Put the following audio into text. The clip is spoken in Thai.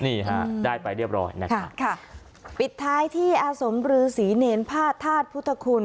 นี่ฮะได้ไปเรียบร้อยนะคะค่ะปิดท้ายที่อาสมรือศรีเนรพระธาตุพุทธคุณ